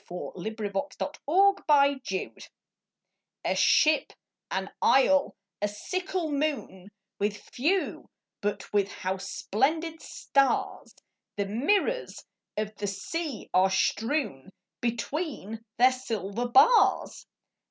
174 A Ship^ an Isle, a Sickle Moon A ship, an isle, a sickle moon — With few but with how splendid stars The mirrors of the sea are strewn Between their silver bars